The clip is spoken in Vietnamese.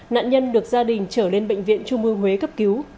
nạn nhân được gia đình trở lên bệnh viện trung ương huế cấp cứu